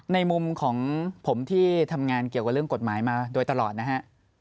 ในมุมของผมที่ทำงานเกี่ยวกับเรื่องกฎหมายมาโดยตลอดนะฮะ